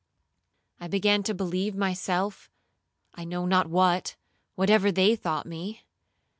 I began to believe myself—I know not what, whatever they thought me.